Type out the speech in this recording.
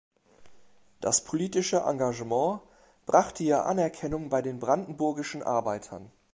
Das politische Engagement brachte ihr Anerkennung bei den brandenburgischen Arbeitern.